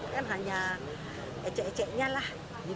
kan hanya ecek eceknya lah